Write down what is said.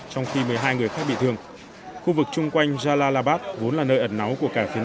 trong khi một mươi hai người khác bị thương khu vực chung quanh jalalabad vốn là nơi ẩn náu của cả phiến